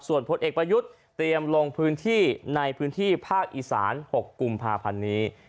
ส่วนพลเอกประยุทธ์เตรียมลงพื้นที่ในพื้นที่ภาคอีสาน๖กุมภาพันธ์นี้